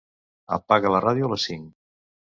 Apaga la ràdio a les cinc.